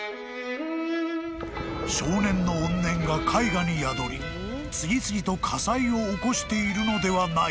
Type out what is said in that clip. ［少年の怨念が絵画に宿り次々と火災を起こしているのではないか］